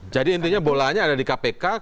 jadi intinya bolanya ada di kpk